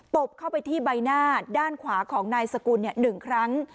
บเข้าไปที่ใบหน้าด้านขวาของนายสกุล๑ครั้ง